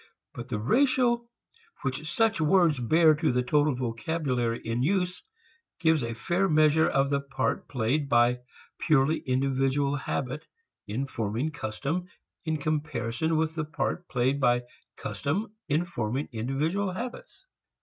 But the ratio which such words bear to the total vocabulary in use gives a fair measure of the part played by purely individual habit in forming custom in comparison with the part played by custom in forming individual habits.